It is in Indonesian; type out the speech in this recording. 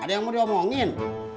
ada yang mau diomongin